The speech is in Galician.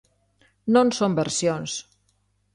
Non son versións.